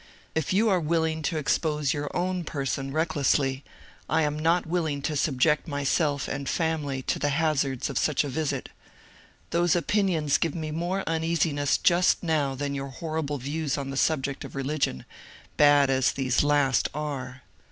If you are willing to expose your own person recklessly, I am not willing to subject myself and family to the hazards of such a visit. Those opinions give me more uneasiness just now than your horrible views on the subject of religion, bad as these last are.